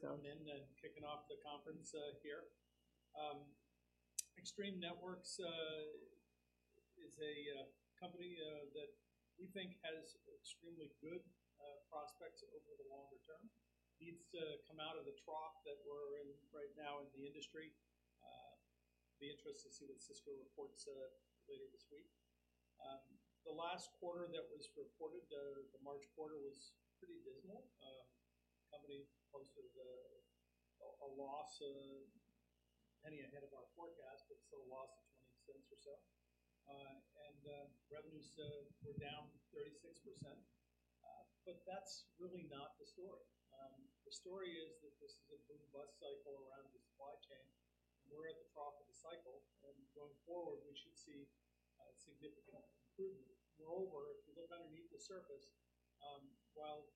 For coming in and kicking off the conference here. Extreme Networks is a company that we think has extremely good prospects over the longer term. Needs to come out of the trough that we're in right now in the industry. Be interesting to see what Cisco reports later this week. The last quarter that was reported, the March quarter, was pretty dismal. The company posted a loss of $0.01 ahead of our forecast, but still a loss of $0.20 or so. Revenues were down 36%. But that's really not the story. The story is that this is a boom-bust cycle around the supply chain, and we're at the trough of the cycle, and going forward, we should see significant improvement. Moreover, if you look underneath the surface, while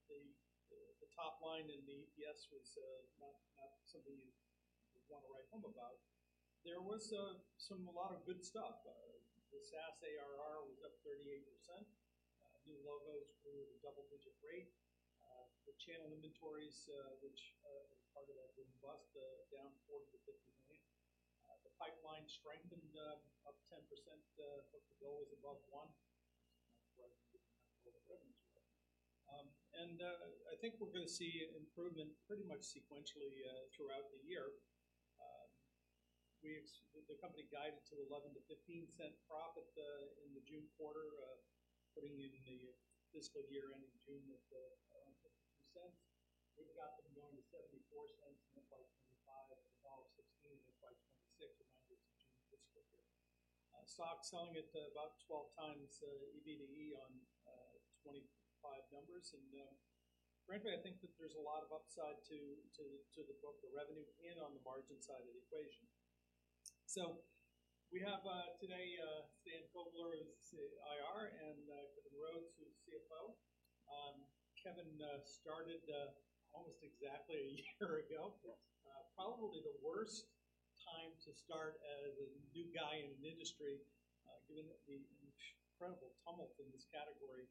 the top line in the EPS was not something you'd want to write home about, there was a lot of good stuff. The SaaS ARR was up 38%. New logos grew at a double-digit rate. The channel inventories, which are part of that boom bust, down $40 million-$50 million. The pipeline strengthened, up 10%. But the goal is above one, right? I think we're gonna see improvement pretty much sequentially throughout the year. The company guided to $0.11-$0.15 profit in the June quarter, putting in the fiscal year ending June at $0.52. We've got them going to $0.74 in FY 2025, and FY 2026. Remind you, it's a June fiscal year. Stock selling at about 12 times EBITDA on 25 numbers, and frankly, I think that there's a lot of upside to the book, the revenue, and on the margin side of the equation. So we have today Stan Kovler is IR, and Kevin Rhodes, who's CFO. Kevin started almost exactly a year ago. Yes. Probably the worst time to start as a new guy in an industry, given the incredible tumult in this category.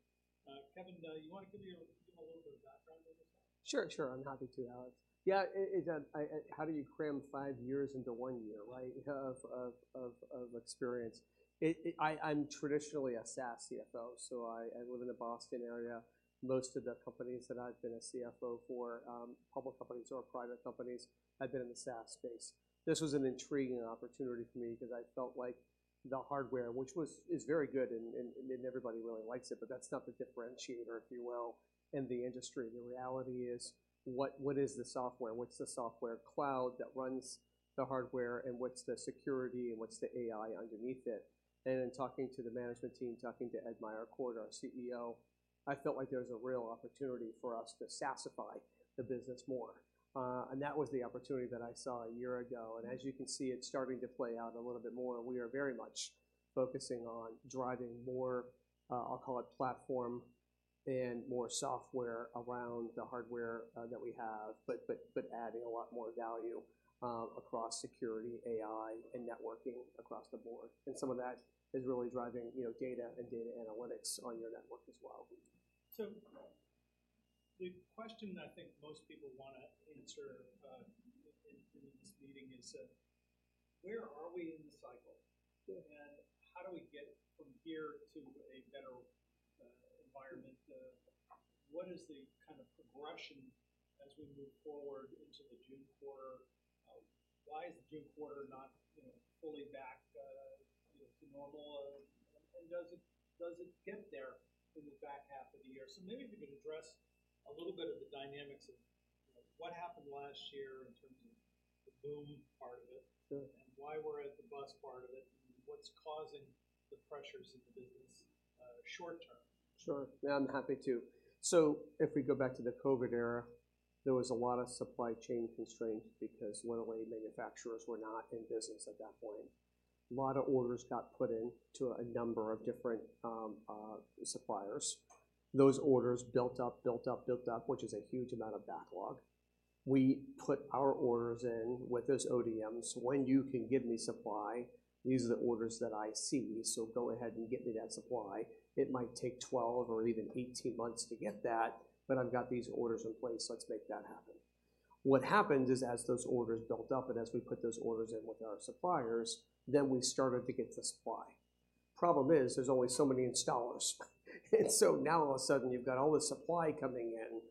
Kevin, you want to give me a... Give a little bit of background on this one? Sure, sure. I'm happy to, Alex. Yeah, it, it, I... How do you cram five years into one year, right, of experience? I'm traditionally a SaaS CFO, so I live in the Boston area. Most of the companies that I've been a CFO for, public companies or private companies, I've been in the SaaS space. This was an intriguing opportunity for me because I felt like the hardware, which was, is very good and everybody really likes it, but that's not the differentiator, if you will, in the industry. The reality is, what is the software? What's the software cloud that runs the hardware, and what's the security, and what's the AI underneath it? In talking to the management team, talking to Ed Meyercord, our CEO, I felt like there was a real opportunity for us to SaaSify the business more. And that was the opportunity that I saw a year ago, and as you can see, it's starting to play out a little bit more. We are very much focusing on driving more, I'll call it, platform and more software around the hardware that we have, but adding a lot more value across security, AI, and networking across the board. And some of that is really driving, you know, data and data analytics on your network as well. The question I think most people wanna answer, in this meeting is, where are we in the cycle? Sure. And how do we get from here to a better environment? What is the kind of progression as we move forward into the June quarter? Why is the June quarter not, you know, fully back, you know, to normal? And does it get there in the back half of the year? So maybe if you could address a little bit of the dynamics of, you know, what happened last year in terms of the boom part of it- Sure. -and why we're at the bust part of it, and what's causing the pressures in the business, short term? Sure. Yeah, I'm happy to. So if we go back to the COVID era, there was a lot of supply chain constraints because a lot of lay manufacturers were not in business at that point. A lot of orders got put in to a number of different suppliers. Those orders built up, built up, built up, which is a huge amount of backlog. We put our orders in with those ODMs. When you can give me supply, these are the orders that I see, so go ahead and get me that supply. It might take 12 months or even 18 months to get that, but I've got these orders in place. Let's make that happen. What happened is, as those orders built up and as we put those orders in with our suppliers, then we started to get the supply. Problem is, there's only so many installers. So now all of a sudden, you've got all this supply coming in,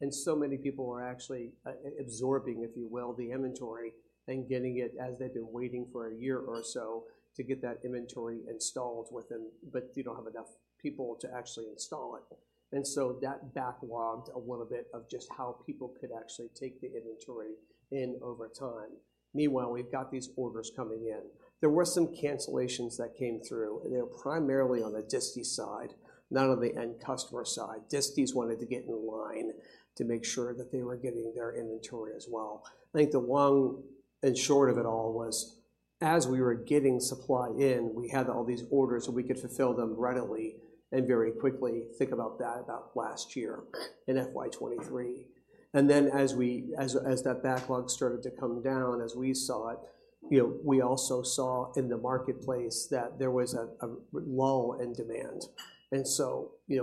and so many people are actually absorbing, if you will, the inventory and getting it as they've been waiting for a year or so to get that inventory installed within. But you don't have enough people to actually install it. And so that backlogged a little bit of just how people could actually take the inventory in over time. Meanwhile, we've got these orders coming in. There were some cancellations that came through, and they were primarily on the distie side, not on the end customer side. Disties wanted to get in line to make sure that they were getting their inventory as well. I think the long and short of it all was, as we were getting supply in, we had all these orders, so we could fulfill them readily and very quickly. Think about that about last year in FY 2023. And then as that backlog started to come down, as we saw it, you know, we also saw in the marketplace that there was a lull in demand. And so, you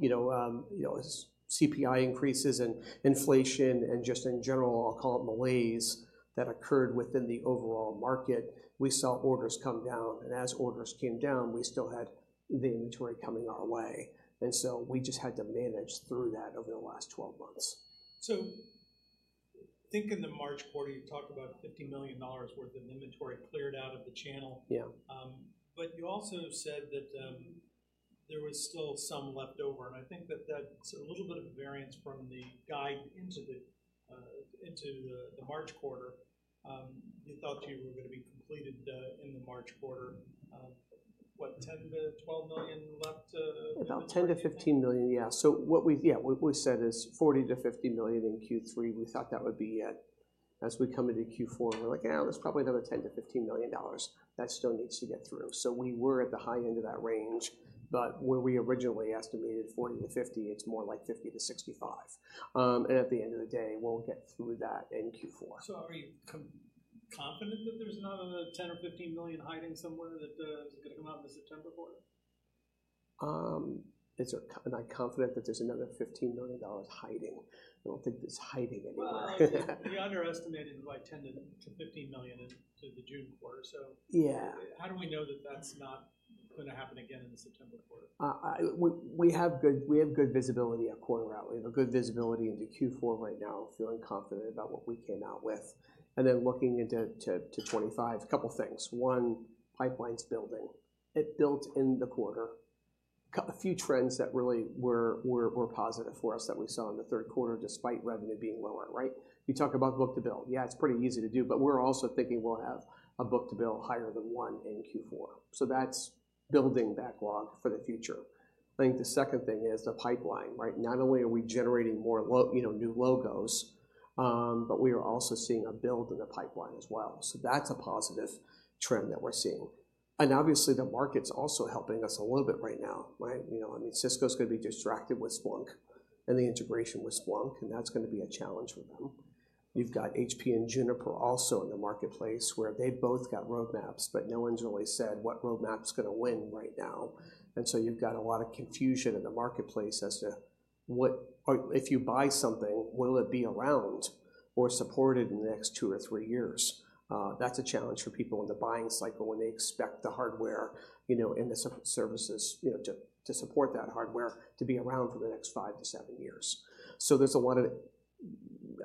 know, as CPI increases and inflation and just in general, I'll call it malaise, that occurred within the overall market, we saw orders come down, and as orders came down, we still had the inventory coming our way. And so we just had to manage through that over the last 12 months. I think in the March quarter, you talked about $50 million worth of inventory cleared out of the channel. Yeah. But you also said that there was still some left over, and I think that that's a little bit of variance from the guide into the March quarter. You thought you were gonna be completed in the March quarter. What, $10 million-$12 million left, inventory? About $10-15 million, yeah. So what we've... Yeah, what we said is $40-50 million in Q3. We thought that would be it. As we come into Q4, we're like, "Yeah, there's probably another $10-15 million that still needs to get through." So we were at the high end of that range, but when we originally estimated $40 million-$50 million, it's more like $50 million-$65 million. And at the end of the day, we'll get through that in Q4. So are you confident that there's another $10 million or $15 million hiding somewhere that is gonna come out in the September quarter? Is there... Am I confident that there's another $15 million hiding? I don't think it's hiding anywhere. Well, you underestimated by $10 million-$15 million into the June quarter, so- Yeah. How do we know that that's not gonna happen again in the September quarter? We have good visibility at quarter out. We have good visibility into Q4 right now, feeling confident about what we came out with. And then looking into 2025, a couple things. One, pipeline's building. It built in the quarter. A few trends that really were positive for us that we saw in the third quarter, despite revenue being lower, right? You talk about book-to-bill. Yeah, it's pretty easy to do, but we're also thinking we'll have a book-to-bill higher than one in Q4, so that's building backlog for the future. I think the second thing is the pipeline, right? Not only are we generating more you know, new logos, but we are also seeing a build in the pipeline as well, so that's a positive trend that we're seeing. Obviously, the market's also helping us a little bit right now, right? You know, I mean, Cisco's gonna be distracted with Splunk and the integration with Splunk, and that's gonna be a challenge for them. You've got HP and Juniper also in the marketplace, where they've both got roadmaps, but no one's really said what roadmap's gonna win right now. And so you've got a lot of confusion in the marketplace as to what or if you buy something, will it be around or supported in the next two or three years? That's a challenge for people in the buying cycle when they expect the hardware, you know, and the services, you know, to support that hardware to be around for the next five to seven years. So there's a lot of,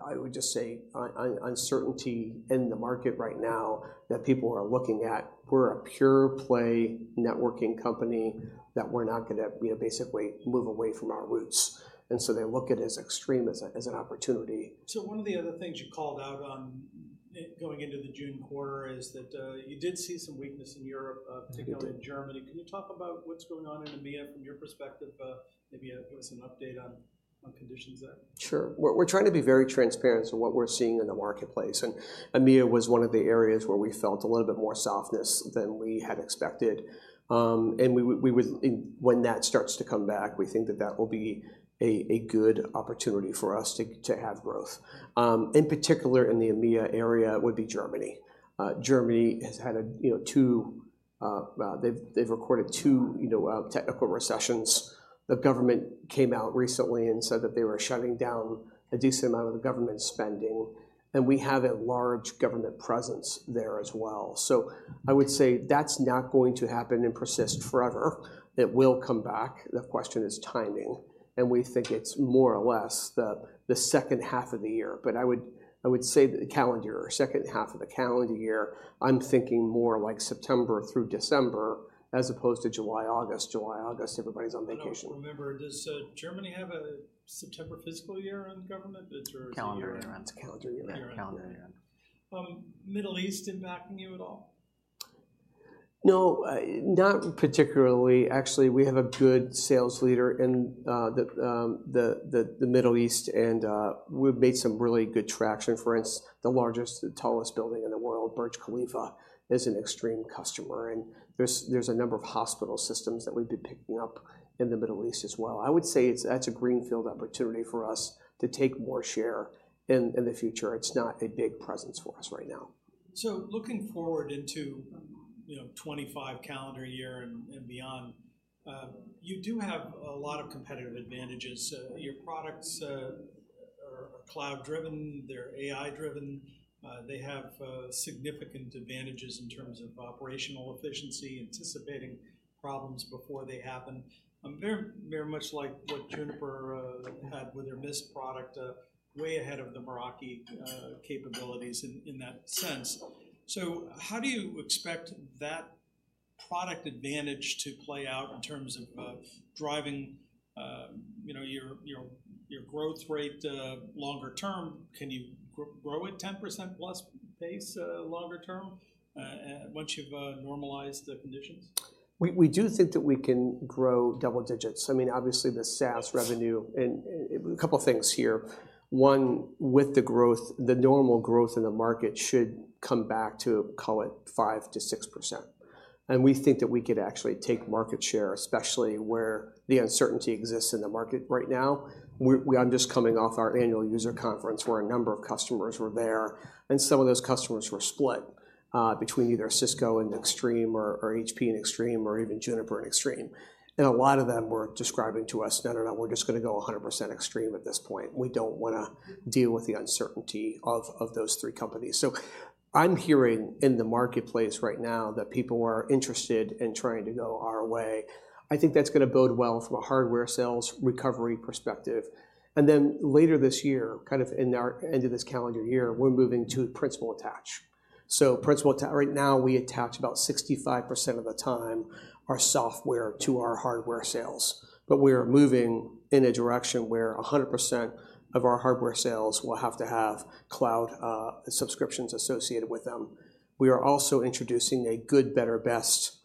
I would just say, uncertainty in the market right now that people are looking at. We're a pure play networking company that we're not gonna, you know, basically move away from our roots, and so they look at it as Extreme as a, as an opportunity. So one of the other things you called out on going into the June quarter is that you did see some weakness in Europe. Mm-hmm. particularly in Germany. Can you talk about what's going on in EMEA from your perspective? Maybe give us an update on conditions there. Sure. We're, we're trying to be very transparent to what we're seeing in the marketplace, and EMEA was one of the areas where we felt a little bit more softness than we had expected. And when that starts to come back, we think that that will be a good opportunity for us to have growth. In particular, in the EMEA area would be Germany. Germany has had a, you know, two, well, they've, they've recorded two, you know, technical recessions. The government came out recently and said that they were shutting down a decent amount of the government spending, and we have a large government presence there as well. So I would say that's not going to happen and persist forever. It will come back. The question is timing, and we think it's more or less the second half of the year. But I would say the calendar year, second half of the calendar year, I'm thinking more like September through December, as opposed to July, August. July, August, everybody's on vacation. I don't remember, does Germany have a September fiscal year on the government? It's or a calendar year. Calendar year. It's a calendar year, yeah. Calendar year. Calendar year. Middle East impacting you at all? No, not particularly. Actually, we have a good sales leader in the Middle East, and we've made some really good traction. For instance, the largest and tallest building in the world, Burj Khalifa, is an extreme customer, and there's a number of hospital systems that we've been picking up in the Middle East as well. I would say it's- that's a greenfield opportunity for us to take more share in, in the future. It's not a big presence for us right now. So looking forward into, you know, 2025 calendar year and beyond, you do have a lot of competitive advantages. Your products are cloud driven, they're AI driven, they have significant advantages in terms of operational efficiency, anticipating problems before they happen. Very, very much like what Juniper had with their Mist product, way ahead of the Meraki capabilities in that sense. So how do you expect that product advantage to play out in terms of driving, you know, your growth rate longer term? Can you grow at 10%+ pace longer term, once you've normalized the conditions?... We, we do think that we can grow double digits. I mean, obviously, the SaaS revenue and, and a couple of things here. One, with the growth, the normal growth in the market should come back to, call it 5%-6%. And we think that we could actually take market share, especially where the uncertainty exists in the market right now. We- I'm just coming off our annual user conference, where a number of customers were there, and some of those customers were split between either Cisco and Extreme, or, or HP and Extreme, or even Juniper and Extreme. And a lot of them were describing to us, "No, no, no, we're just gonna go 100% Extreme at this point. We don't wanna deal with the uncertainty of, of those three companies." So I'm hearing in the marketplace right now that people are interested in trying to go our way. I think that's gonna bode well from a hardware sales recovery perspective. And then later this year, kind of in our end of this calendar year, we're moving to principal attach. So principal attach, right now, we attach about 65% of the time our software to our hardware sales. But we are moving in a direction where 100% of our hardware sales will have to have cloud subscriptions associated with them. We are also introducing a good, better, best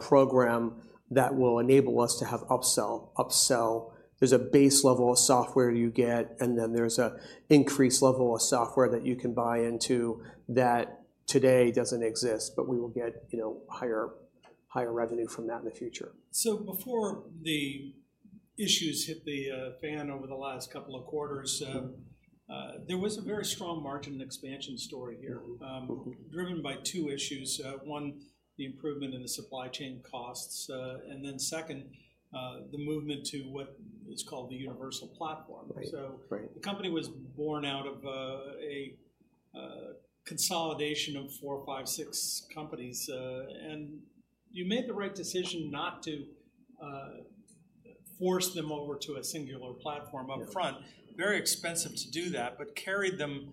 program that will enable us to have upsell, upsell. There's a base level of software you get, and then there's an increased level of software that you can buy into that today doesn't exist, but we will get, you know, higher, higher revenue from that in the future. So before the issues hit the fan over the last couple of quarters, there was a very strong margin expansion story here- Mm-hmm... driven by two issues. One, the improvement in the supply chain costs, and then second, the movement to what is called the Universal Platform. Right. So- Right. The company was born out of a consolidation of four, five, six companies, and you made the right decision not to force them over to a singular platform upfront. Yes. Very expensive to do that, but carried them,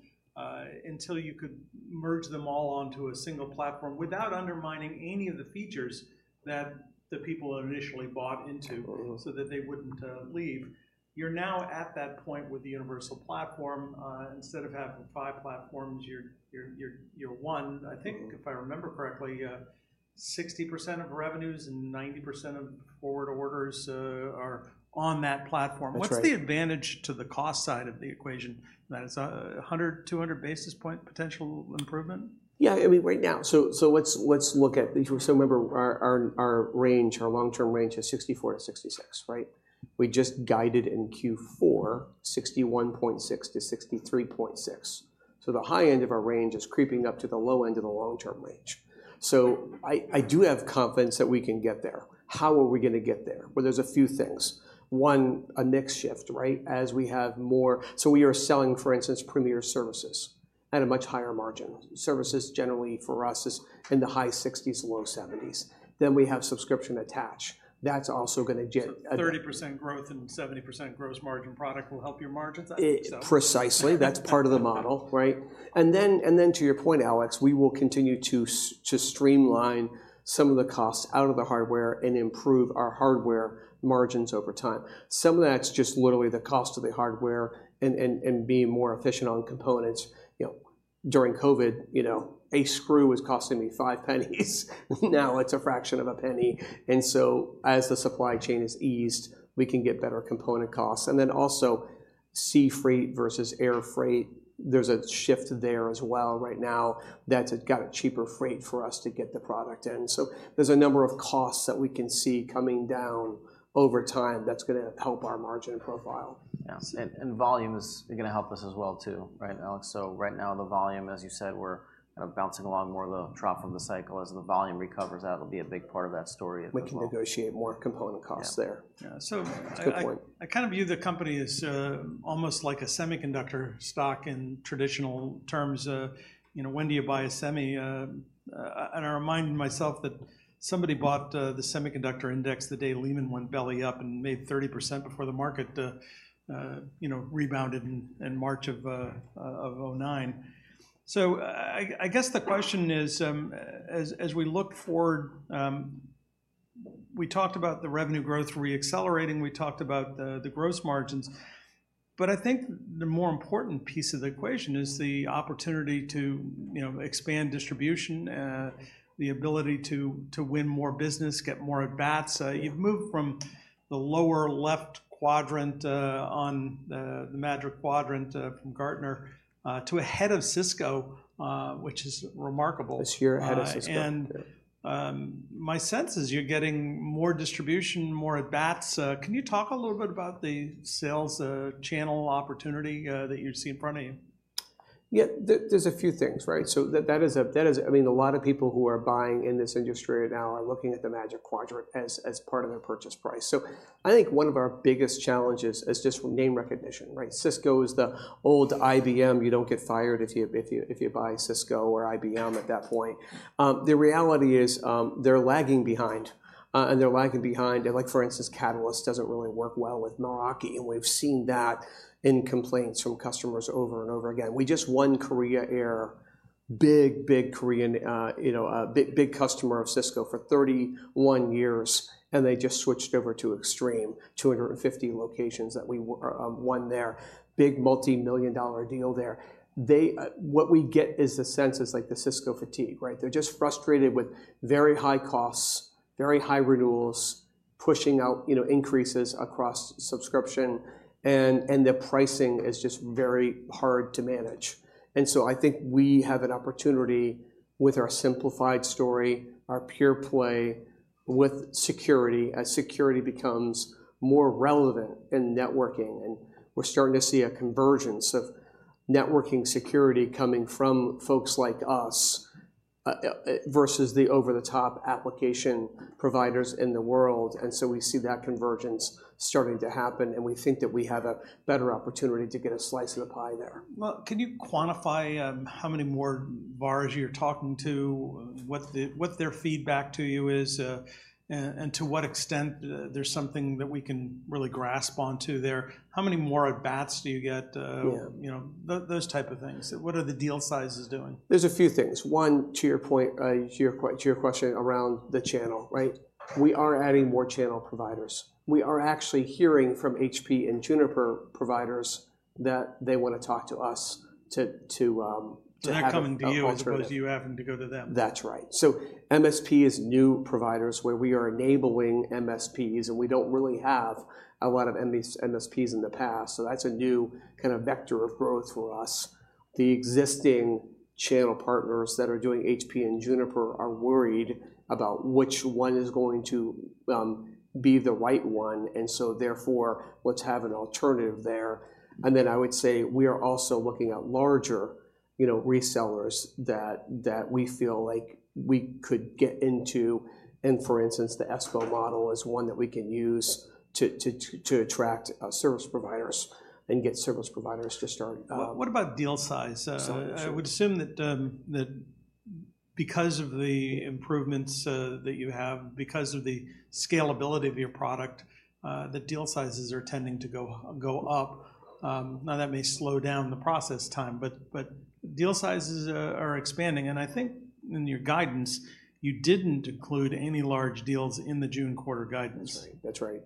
until you could merge them all onto a single platform without undermining any of the features that the people initially bought into- Mm-hmm so that they wouldn't leave. You're now at that point with the Universal Platform. Instead of having five platforms, you're one. Mm-hmm. I think, if I remember correctly, 60% of revenues and 90% of forward orders are on that platform. That's right. What's the advantage to the cost side of the equation? That it's 100-200 basis point potential improvement? Yeah, I mean, right now. So let's look at these. So remember, our range, our long-term range is 64-66, right? We just guided in Q4, 61.6-63.6. So the high end of our range is creeping up to the low end of the long-term range. So I do have confidence that we can get there. How are we gonna get there? Well, there's a few things. One, a mix shift, right? As we have more... So we are selling, for instance, premier services at a much higher margin. Services generally for us is in the high 60s, low 70s. Then we have subscription attach. That's also gonna get- 30% growth and 70% gross margin product will help your margins? Precisely. That's part of the model, right? And then to your point, Alex, we will continue to streamline some of the costs out of the hardware and improve our hardware margins over time. Some of that's just literally the cost of the hardware and being more efficient on components. You know, during COVID, you know, a screw was costing me five pennies. Now it's a fraction of a penny. And so as the supply chain is eased, we can get better component costs. And then also, sea freight versus air freight, there's a shift there as well right now that's got a cheaper freight for us to get the product in. So there's a number of costs that we can see coming down over time that's gonna help our margin profile. Yes, and volume is gonna help us as well, too, right, Alex? So right now, the volume, as you said, we're kind of bouncing along more the trough of the cycle. As the volume recovers, that'll be a big part of that story as well. We can negotiate more component costs there. Yeah. So- It's a good point.... I kind of view the company as, almost like a semiconductor stock in traditional terms. You know, when do you buy a semi? I reminded myself that somebody bought the semiconductor index the day Lehman went belly up and made 30% before the market, you know, rebounded in March of 2009. So I guess the question is, as we look forward, we talked about the revenue growth reaccelerating, we talked about the gross margins, but I think the more important piece of the equation is the opportunity to, you know, expand distribution, the ability to win more business, get more at bats. You've moved from the lower left quadrant on the Magic Quadrant from Gartner to ahead of Cisco, which is remarkable. This year, ahead of Cisco. And- Yeah... my sense is you're getting more distribution, more at bats. Can you talk a little bit about the sales channel opportunity that you see in front of you? Yeah, there, there's a few things, right? So that, that is a, that is... I mean, a lot of people who are buying in this industry right now are looking at the Magic Quadrant as, as part of their purchase price. So I think one of our biggest challenges is just name recognition, right? Cisco is the old IBM. You don't get fired if you, if you, if you buy Cisco or IBM at that point. The reality is, they're lagging behind, and they're lagging behind... Like, for instance, Catalyst doesn't really work well with Meraki, and we've seen that in complaints from customers over and over again. We just won Korean Air, big, big Korean, you know, a big, big customer of Cisco for 31 years, and they just switched over to Extreme. 250 locations that we won there. Big multimillion-dollar deal there. They, what we get is the sense it's like the Cisco fatigue, right? They're just frustrated with very high costs, very high renewals, pushing out, you know, increases across subscription, and the pricing is just very hard to manage. And so I think we have an opportunity with our simplified story, our pure play with security, as security becomes more relevant in networking, and we're starting to see a convergence of networking security coming from folks like us versus the over-the-top application providers in the world. And so we see that convergence starting to happen, and we think that we have a better opportunity to get a slice of the pie there. Well, can you quantify, how many more bars you're talking to, what their feedback to you is, and to what extent, there's something that we can really grasp onto there? How many more at bats do you get, Yeah... you know, those type of things. What are the deal sizes doing? There's a few things. One, to your point, to your question around the channel, right? We are adding more channel providers. We are actually hearing from HP and Juniper providers that they wanna talk to us to have an alternative. They're coming to you as opposed to you having to go to them. That's right. So MSP is new providers where we are enabling MSPs, and we don't really have a lot of MSPs in the past, so that's a new kind of vector of growth for us. The existing channel partners that are doing HP and Juniper are worried about which one is going to be the right one, and so therefore, let's have an alternative there. And then I would say we are also looking at larger, you know, resellers that we feel like we could get into. And for instance, the ESCO model is one that we can use to attract service providers and get service providers to start. What, what about deal size? Selling solutions. I would assume that because of the improvements that you have, because of the scalability of your product, the deal sizes are tending to go up. Now, that may slow down the process time, but deal sizes are expanding, and I think in your guidance, you didn't include any large deals in the June quarter guidance. That's right. That's right.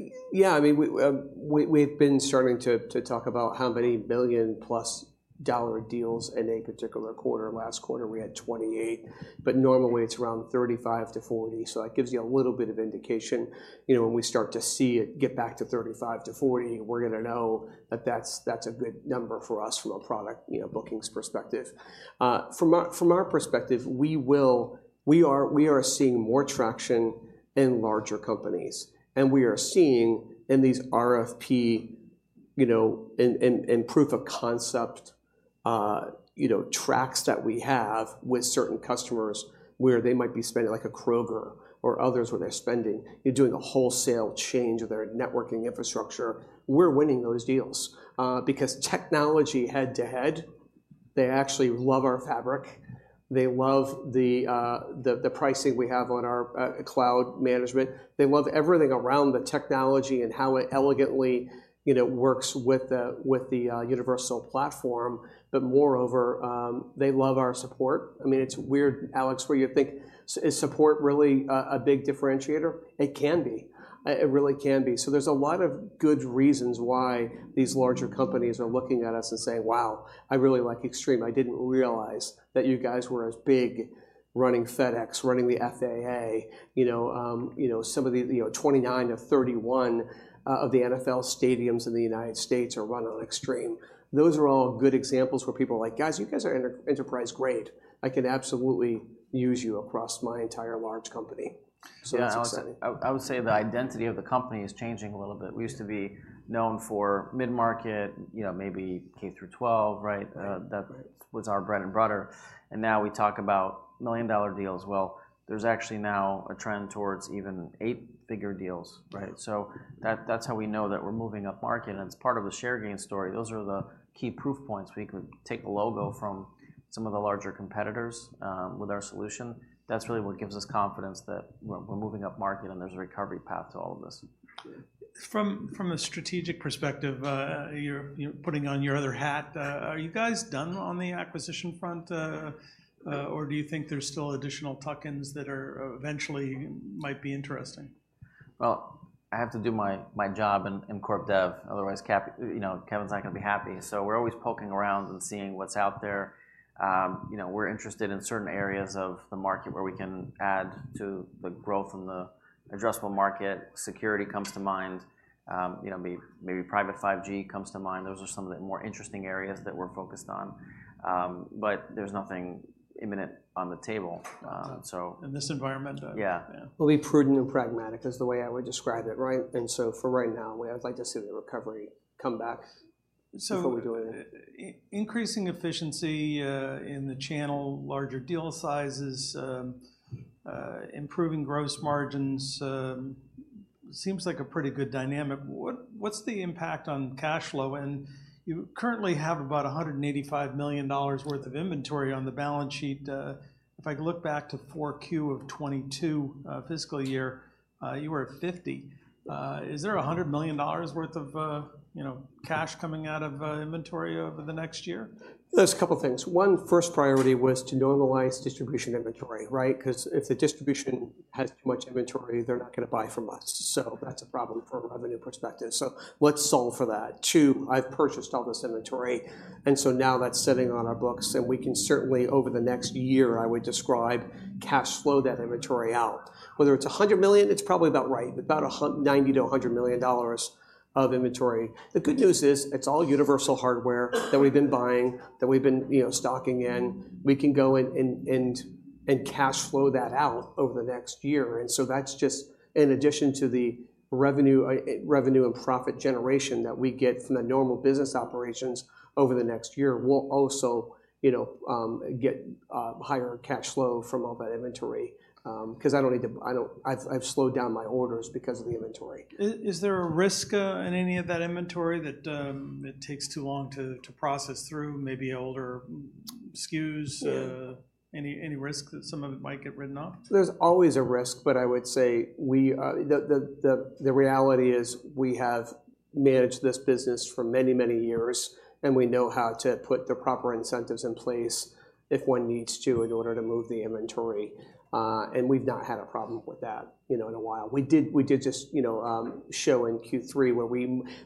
Yeah. Yeah, I mean, we, we've been starting to talk about how many $1 billion-plus deals in a particular quarter. Last quarter we had 28, but normally it's around 35-40, so that gives you a little bit of indication. You know, when we start to see it get back to 35-40, we're gonna know that that's a good number for us from a product, you know, bookings perspective. From our perspective, we are seeing more traction in larger companies, and we are seeing in these RFP, you know, proof of concept tracks that we have with certain customers, where they might be spending, like a Kroger or others, where they're spending... You're doing a wholesale change of their networking infrastructure. We're winning those deals because technology head-to-head, they actually love our fabric. They love the pricing we have on our cloud management. They love everything around the technology and how it elegantly, you know, works with the Universal Platform. But moreover, they love our support. I mean, it's weird, Alex, where you think, is support really a big differentiator? It can be. It really can be. So there's a lot of good reasons why these larger companies are looking at us and saying: "Wow, I really like Extreme. I didn't realize that you guys were as big, running FedEx, running the FAA." You know, some of the 29 of 31 of the NFL stadiums in the United States are run on Extreme. Those are all good examples where people are like: "Guys, you guys are enterprise grade. I could absolutely use you across my entire large company." So it's exciting. Yeah, I would say the identity of the company is changing a little bit. We used to be known for mid-market, you know, maybe K through twelve, right? Right. That was our bread and butter, and now we talk about million-dollar deals. Well, there's actually now a trend towards even eight-figure deals, right? Yeah. So that, that's how we know that we're moving up market, and it's part of the share gain story. Those are the key proof points. We could take a logo from some of the larger competitors with our solution. That's really what gives us confidence that we're moving up market and there's a recovery path to all of this. From a strategic perspective, you're, you know, putting on your other hat, or do you think there's still additional tuck-ins that are eventually might be interesting? Well, I have to do my job in corp dev, otherwise Kev, you know, Kevin's not gonna be happy. So we're always poking around and seeing what's out there. You know, we're interested in certain areas of the market where we can add to the growth in the addressable market. Security comes to mind. Maybe Private 5G comes to mind. Those are some of the more interesting areas that we're focused on. But there's nothing imminent on the table, so- In this environment? Yeah. Yeah. We'll be prudent and pragmatic, is the way I would describe it, right? And so for right now, I'd like to see the recovery come back- So- Before we do anything.... increasing efficiency in the channel, larger deal sizes, improving gross margins, seems like a pretty good dynamic. What's the impact on cash flow? And you currently have about $185 million worth of inventory on the balance sheet... If I look back to Q4 of 2022, fiscal year, you were at $50 million. Is there $100 million worth of, you know, cash coming out of inventory over the next year? There's a couple things. One, first priority was to normalize distribution inventory, right? 'Cause if the distribution has too much inventory, they're not gonna buy from us, so that's a problem from a revenue perspective. So let's solve for that. Two, I've purchased all this inventory, and so now that's sitting on our books, and we can certainly, over the next year, I would describe, cash flow that inventory out. Whether it's $100 million, it's probably about right, about $90 million-$100 million of inventory. The good news is, it's all universal hardware that we've been buying, that we've been, you know, stocking in. We can go and cash flow that out over the next year, and so that's just in addition to the revenue, revenue and profit generation that we get from the normal business operations over the next year. We'll also, you know, get higher cash flow from all that inventory. 'Cause I don't need to. I've slowed down my orders because of the inventory. Is there a risk in any of that inventory that it takes too long to process through, maybe older SKUs? Yeah... Any risk that some of it might get written off? There's always a risk, but I would say the reality is, we have managed this business for many, many years, and we know how to put the proper incentives in place if one needs to, in order to move the inventory. And we've not had a problem with that, you know, in a while. We did just, you know, show in Q3 where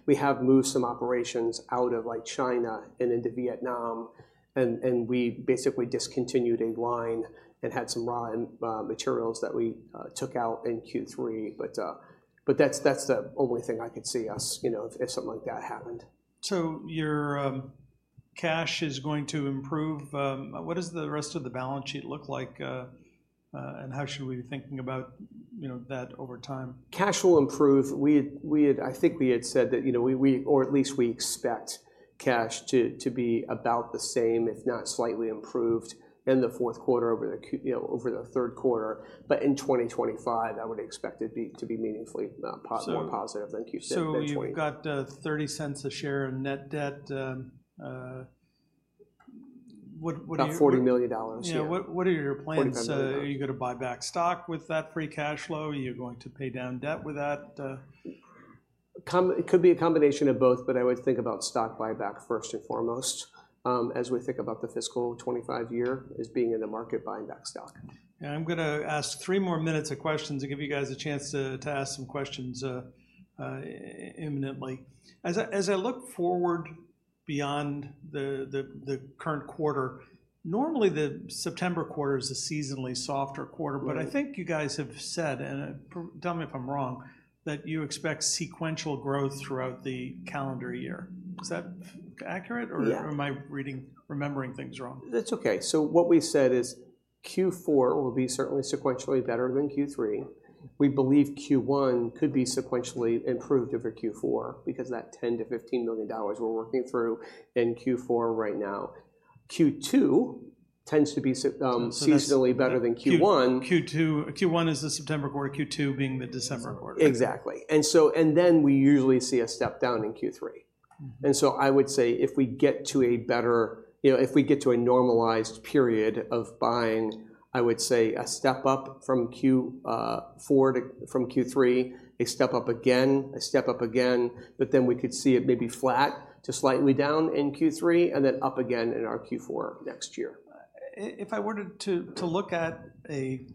we have moved some operations out of, like, China and into Vietnam, and we basically discontinued a line and had some raw materials that we took out in Q3. But that's the only thing I could see us, you know, if something like that happened. Your cash is going to improve. What does the rest of the balance sheet look like, and how should we be thinking about, you know, that over time? Cash will improve. We had, I think we had said that, you know, or at least we expect cash to be about the same, if not slightly improved, in the fourth quarter over the Q3, you know, over the third quarter. But in 2025, I would expect it to be meaningfully pos- So- more positive than Q6 and 20. So you've got $0.30 a share in net debt. What are your- About $40 million, yeah. Yeah, what, what are your plans? $45 million. Are you gonna buy back stock with that free cash flow? Are you going to pay down debt with that? It could be a combination of both, but I would think about stock buyback first and foremost, as we think about the fiscal 2025 year as being in the market buying back stock. And I'm gonna ask three more minutes of questions and give you guys a chance to ask some questions imminently. As I look forward beyond the current quarter, normally the September quarter is a seasonally softer quarter- Mm... but I think you guys have said, and tell me if I'm wrong, that you expect sequential growth throughout the calendar year. Is that accurate? Yeah. Or, or am I reading, remembering things wrong? That's okay. So what we've said is Q4 will be certainly sequentially better than Q3. We believe Q1 could be sequentially improved over Q4 because that $10 million-$15 million we're working through in Q4 right now. Q2 tends to be So that's-... seasonally better than Q1. Q1 is the September quarter, Q2 being the December quarter. Exactly. And so and then we usually see a step down in Q3. Mm. And so I would say if we get to a better... You know, if we get to a normalized period of buying, I would say a step up from Q4 to from Q3, a step up again, a step up again, but then we could see it maybe flat to slightly down in Q3, and then up again in our Q4 next year. If I were to look at a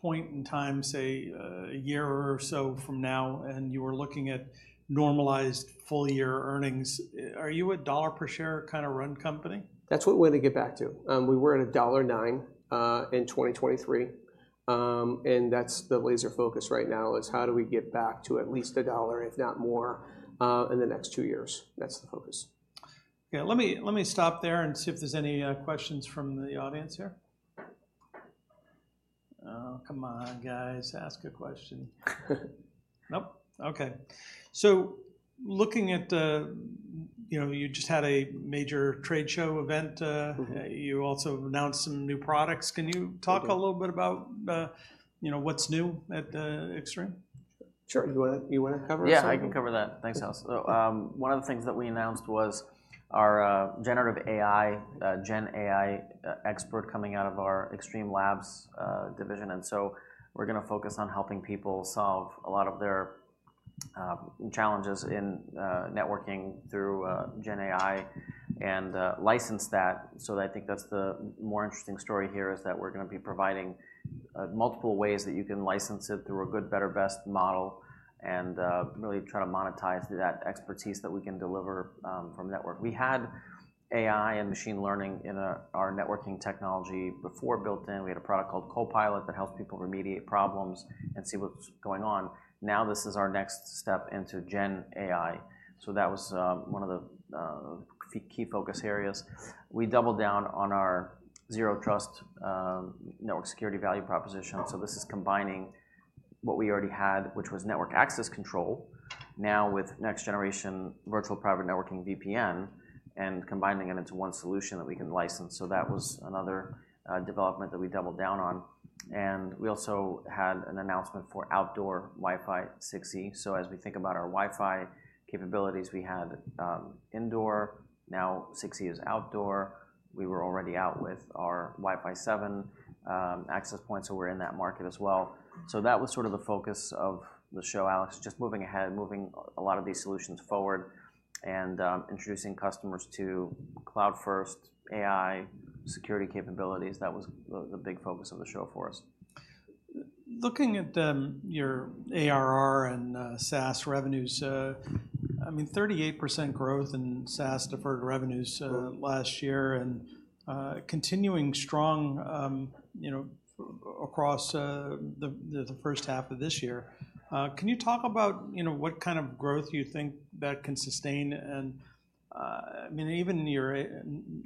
point in time, say, a year or so from now, and you were looking at normalized full-year earnings, are you a $1 per share kind of run company? That's what we're gonna get back to. We were at $1.09 in 2023. And that's the laser focus right now, is how do we get back to at least $1, if not more, in the next two years? That's the focus. Yeah, let me, let me stop there and see if there's any questions from the audience here. Oh, come on, guys, ask a question. Nope? Okay. So looking at, you know, you just had a major trade show event. Mm-hmm... you also announced some new products. Mm-hmm. Can you talk a little bit about, you know, what's new at Extreme? Sure. You wanna, you wanna cover it? Yeah, I can cover that. Thanks, Alex. So, one of the things that we announced was our generative AI, Gen AI, expert coming out of our Extreme Labs division. And so we're gonna focus on helping people solve a lot of their challenges in networking through Gen AI and license that. So I think that's the more interesting story here, is that we're gonna be providing multiple ways that you can license it through a good, better, best model, and really try to monetize that expertise that we can deliver from network. We had AI and machine learning in our networking technology before built in. We had a product called Copilot that helped people remediate problems and see what's going on. Now, this is our next step into Gen AI. So that was one of the key focus areas. We doubled down on our Zero Trust network security value proposition. So this is combining what we already had, which was Network Access Control-... now with next generation virtual private networking VPN, and combining it into one solution that we can license. So that was another development that we doubled down on, and we also had an announcement for outdoor Wi-Fi 6E. So as we think about our Wi-Fi capabilities, we had indoor, now 6E is outdoor. We were already out with our Wi-Fi 7 access points, so we're in that market as well. So that was sort of the focus of the show, Alex, just moving ahead, moving a lot of these solutions forward, and introducing customers to cloud-first AI security capabilities. That was the big focus of the show for us. Looking at your ARR and SaaS revenues, I mean, 38% growth in SaaS deferred revenues last year, and continuing strong, you know, across the first half of this year. Can you talk about, you know, what kind of growth you think that can sustain? And I mean, even your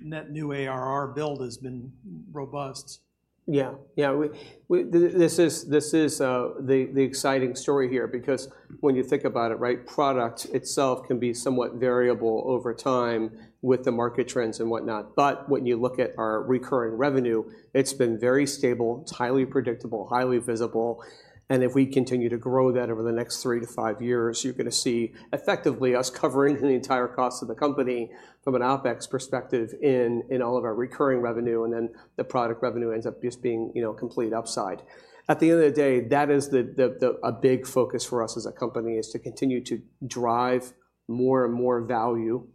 net new ARR build has been robust. Yeah. Yeah, this is the exciting story here because when you think about it, right, product itself can be somewhat variable over time with the market trends and whatnot. But when you look at our recurring revenue, it's been very stable. It's highly predictable, highly visible, and if we continue to grow that over the next three to five years, you're gonna see effectively us covering the entire cost of the company from an OpEx perspective in all of our recurring revenue, and then the product revenue ends up just being, you know, complete upside. At the end of the day, that is a big focus for us as a company, is to continue to drive more and more value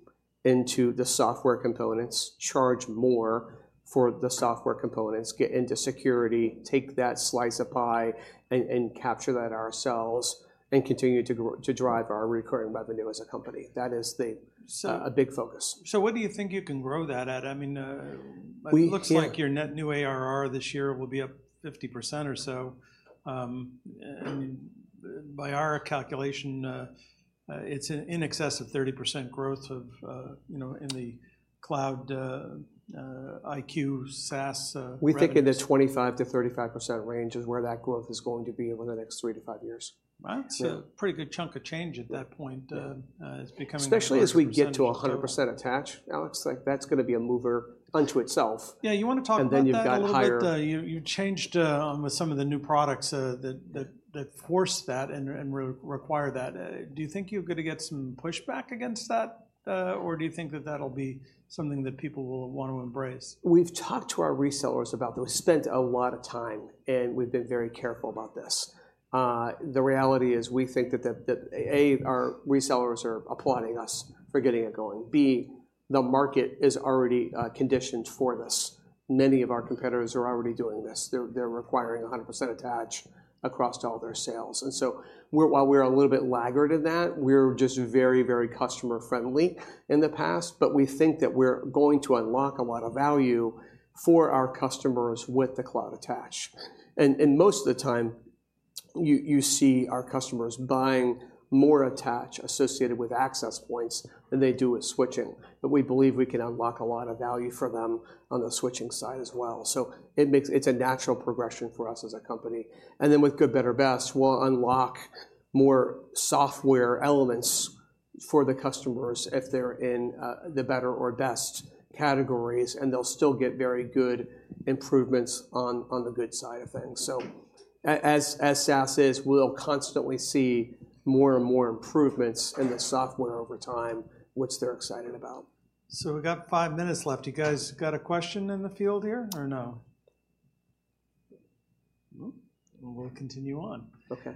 into the software components, charge more for the software components, get into security, take that slice of pie, and capture that ourselves, and continue to drive our recurring revenue as a company. That is the- So-... a big focus. So what do you think you can grow that at? I mean, We can- It looks like your net new ARR this year will be up 50% or so. By our calculation, it's in excess of 30% growth of, you know, in the CloudIQ, SaaS revenues. We think in the 25%-35% range is where that growth is going to be over the next three to five years. Well- Yeah... that's a pretty good chunk of change at that point. Yeah... it's becoming a large percentage- Especially as we get to 100% attach, Alex, like, that's gonna be a mover unto itself. Yeah, you wanna talk about that a little bit? And then you've got higher- You changed on with some of the new products that force that and require that. Do you think you're gonna get some pushback against that, or do you think that that'll be something that people will want to embrace? We've talked to our resellers about this. We spent a lot of time, and we've been very careful about this. The reality is, we think that A, our resellers are applauding us for getting it going. B, the market is already conditioned for this. Many of our competitors are already doing this. They're requiring 100% attach across all their sales, and so, while we're a little bit laggard in that, we're just very, very customer friendly in the past, but we think that we're going to unlock a lot of value for our customers with the cloud attach. And most of the time, you see our customers buying more attach associated with access points than they do with switching, but we believe we can unlock a lot of value for them on the switching side as well. So it's a natural progression for us as a company, and then with good, better, best, we'll unlock more software elements for the customers if they're in the better or best categories, and they'll still get very good improvements on the good side of things. So as SaaS is, we'll constantly see more and more improvements in the software over time, which they're excited about. So we've got five minutes left. You guys got a question in the field here or no? No. Well, we'll continue on. Okay.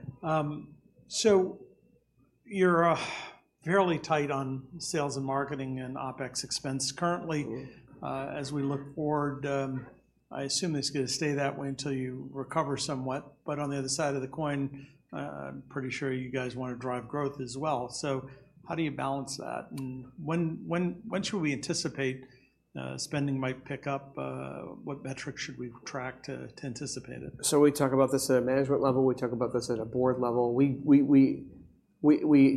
You're fairly tight on sales and marketing and OpEx expense currently. Mm. As we look forward, I assume it's gonna stay that way until you recover somewhat, but on the other side of the coin, I'm pretty sure you guys wanna drive growth as well. So how do you balance that, and when should we anticipate spending might pick up? What metrics should we track to anticipate it? So we talk about this at a management level. We talk about this at a board level. We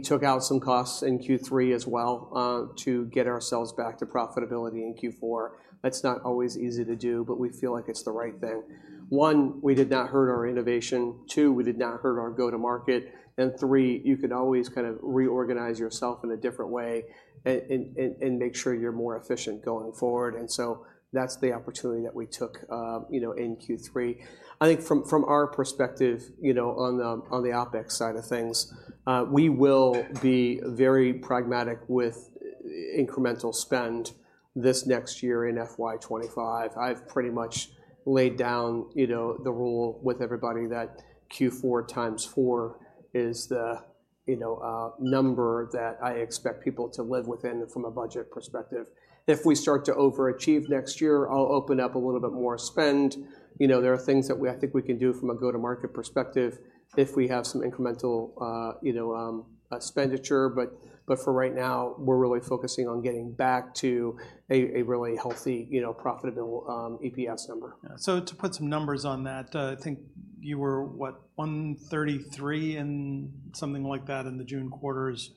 took out some costs in Q3 as well to get ourselves back to profitability in Q4. That's not always easy to do, but we feel like it's the right thing. One, we did not hurt our innovation. Two, we did not hurt our go-to-market. And three, you can always kind of reorganize yourself in a different way and make sure you're more efficient going forward, and so that's the opportunity that we took, you know, in Q3. I think from our perspective, you know, on the OpEx side of things, we will be very pragmatic with incremental spend this next year in FY 2025. I've pretty much laid down, you know, the rule with everybody that Q4 times four is the, you know, number that I expect people to live within from a budget perspective. If we start to overachieve next year, I'll open up a little bit more spend. You know, there are things that we- I think we can do from a go-to-market perspective if we have some incremental, you know, expenditure. But for right now, we're really focusing on getting back to a really healthy, you know, profitable EPS number. So to put some numbers on that, I think you were, what, $133 and something like that in the June quarter is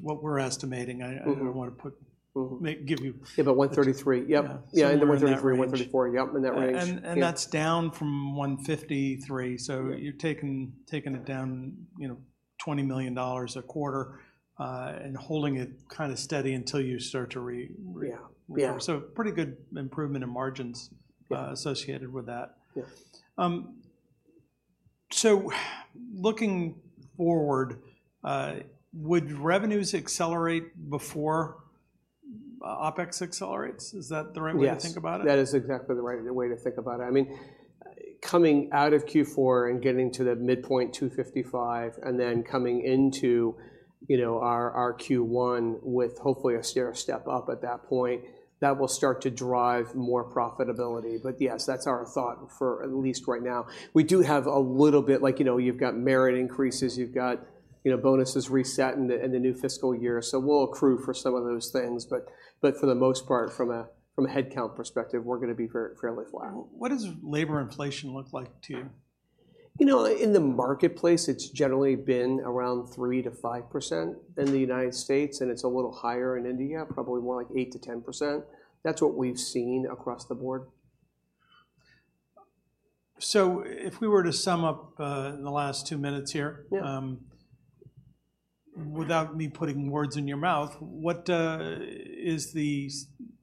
what we're estimating. Mm-hmm. I don't wanna put- Mm-hmm. Make, give you- Yeah, about $133. Yep. Yeah. In the $133-$134. Yep, in that range. And that's down from $153. Yeah. So you've taken, taken it down, you know, $20 million a quarter, and holding it kinda steady until you start to re- Yeah. Yeah. Pretty good improvement in margins- Yeah... associated with that. Yeah. Looking forward, would revenues accelerate before OpEx accelerates? Is that the right way to think about it? Yes, that is exactly the right way to think about it. I mean, coming out of Q4 and getting to the midpoint $255, and then coming into, you know, our Q1 with hopefully a stair step up at that point, that will start to drive more profitability. But yes, that's our thought for at least right now. We do have a little bit... Like, you know, you've got merit increases, you've got, you know, bonuses reset in the new fiscal year. So we'll accrue for some of those things, but for the most part, from a headcount perspective, we're gonna be fairly flat. What does labor inflation look like to you? You know, in the marketplace, it's generally been around 3%-5% in the United States, and it's a little higher in India, probably more like 8%-10%. That's what we've seen across the board. So if we were to sum up, in the last two minutes here- Yeah without me putting words in your mouth, what is the,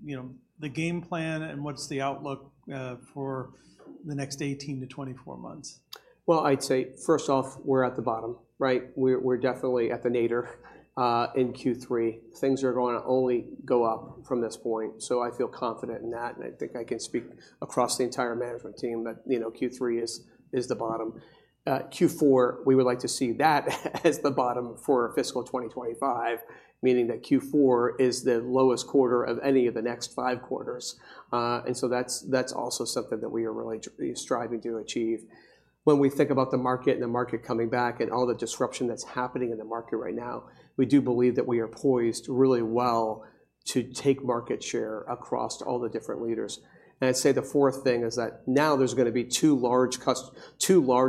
you know, the game plan, and what's the outlook for the next 18-24 months? Well, I'd say, first off, we're at the bottom, right? We're, we're definitely at the nadir in Q3. Things are gonna only go up from this point, so I feel confident in that, and I think I can speak across the entire management team that, you know, Q3 is, is the bottom. Q4, we would like to see that as the bottom for fiscal 2025, meaning that Q4 is the lowest quarter of any of the next five quarters. And so that's, that's also something that we are really striving to achieve. When we think about the market and the market coming back and all the disruption that's happening in the market right now, we do believe that we are poised really well to take market share across all the different leaders. And I'd say the fourth thing is that now there's gonna be two large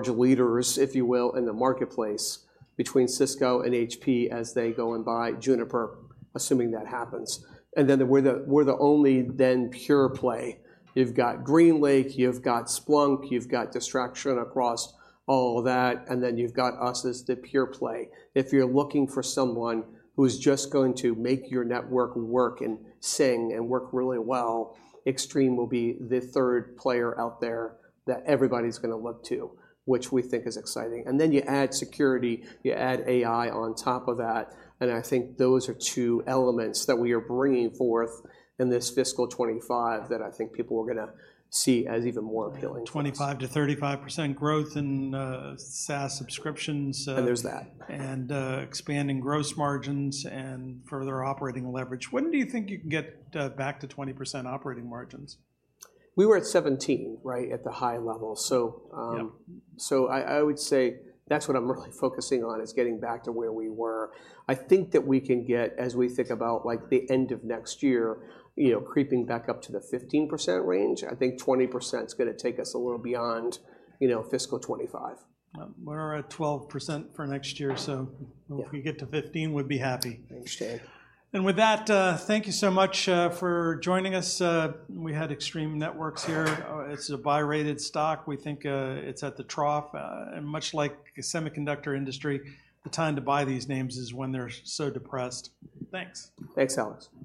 leaders, if you will, in the marketplace between Cisco and HP as they go and buy Juniper, assuming that happens. And then we're the only pure play. You've got GreenLake, you've got Splunk, you've got distraction across all of that, and then you've got us as the pure play. If you're looking for someone who's just going to make your network work and sing and work really well, Extreme will be the third player out there that everybody's gonna look to, which we think is exciting. And then you add security, you add AI on top of that, and I think those are two elements that we are bringing forth in this fiscal 2025 that I think people are gonna see as even more appealing. 25%-35% growth in SaaS subscriptions. And there's that.... expanding gross margins and further operating leverage. When do you think you can get back to 20% operating margins? We were at 17%, right, at the high level. So, Yeah... so I would say that's what I'm really focusing on, is getting back to where we were. I think that we can get, as we think about, like, the end of next year, you know, creeping back up to the 15% range. I think 20%'s gonna take us a little beyond, you know, fiscal 2025. We're at 12% for next year, so- Yeah... if we get to 15%, we'd be happy. Understood. With that, thank you so much for joining us. We had Extreme Networks here. It's a buy-rated stock. We think it's at the trough, and much like the semiconductor industry, the time to buy these names is when they're so depressed. Thanks. Thanks, Alex.